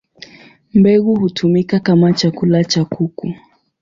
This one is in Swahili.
Mbegu hutumika kama chakula cha kuku.